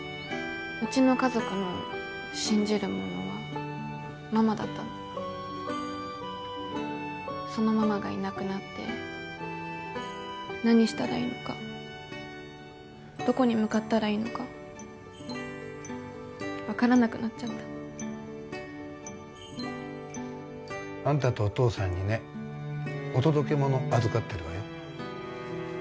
うちの家族の信じるものはママだったのそのママがいなくなって何したらいいのかどこに向かったらいいのか分からなくなっちゃったあんたとお父さんにねお届け物預かってるわよ